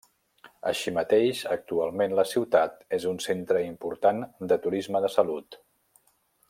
Així mateix, actualment la ciutat és un centre important de turisme de salut.